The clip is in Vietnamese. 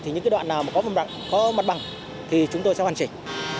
thì những đoạn nào có mặt bằng thì chúng tôi sẽ hoàn chỉnh